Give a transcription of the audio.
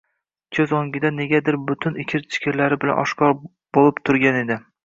ko‘z o‘ngida negadir butun ikir-chikirlari bilan oshkor bo‘lib turgan edi.